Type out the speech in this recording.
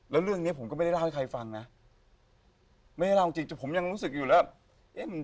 แล้วเรื่องนี้ผมก็ไม่ได้เล่าให้ใครฟังนะไม่ได้เล่าจริงแต่ผมยังรู้สึกอยู่แล้ว